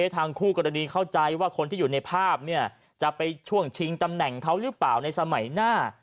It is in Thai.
ทางคู่กรณีเข้าใจว่าคนที่อยู่ในภาพจะไปช่วงชิงตำแหน่งเขาหรือเปล่าในสมัยหน้า